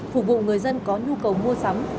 phục vụ người dân có nhu cầu mua sắm